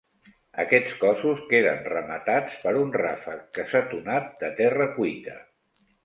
Aquests cossos queden rematats per un ràfec cassetonat de terra cuita.